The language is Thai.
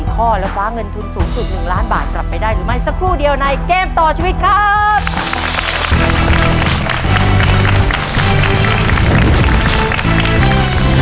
ข้อแล้วคว้าเงินทุนสูงสุด๑ล้านบาทกลับไปได้หรือไม่สักครู่เดียวในเกมต่อชีวิตครับ